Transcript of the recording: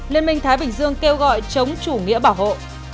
liên minh thái bình dương kêu gọi chống chủ nghĩa bảo hộ